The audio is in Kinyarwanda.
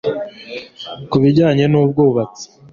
ku bijyanye n'ubwubatsi